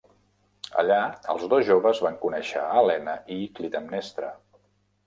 Allà els dos joves van conèixer Helena i Clitemnestra.